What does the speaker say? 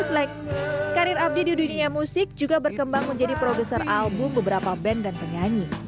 slang karir abdi di dunia musik juga berkembang menjadi produser album beberapa band dan penyanyi